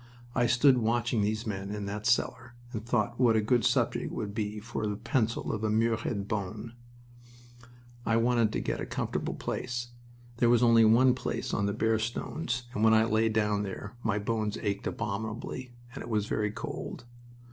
I stood watching these men in that cellar and thought what a good subject it would be for the pencil of Muirhead Bone. I wanted to get a comfortable place. There was only one place on the bare stones, and when I lay down there my bones ached abominably, and it was very cold.